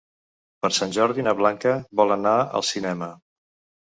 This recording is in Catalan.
Per Sant Jordi na Blanca vol anar al cinema.